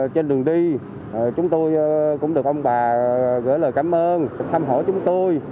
trên đường đi chúng tôi cũng được ông bà gửi lời cảm ơn thăm hỏi chúng tôi